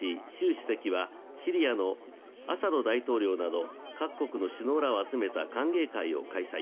主席はシリアのアサド大統領など各国の首脳らを集めた歓迎会を開催。